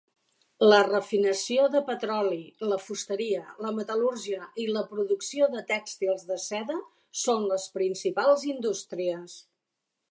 La refinació de petroli, la fusteria, la metal·lúrgia i la producció de tèxtils de seda són les principals indústries.